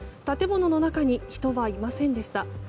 建物の中に人はいませんでした。